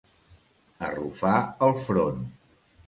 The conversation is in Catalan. Arrufar el front.